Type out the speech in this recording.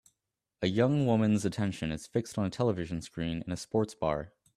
A young woman s attention is fixed on a television screen in a sports bar